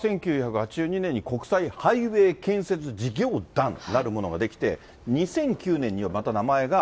１９８２年に国際ハイウェイ建設事業団なるものが出来て、２００９年にはまた名前が。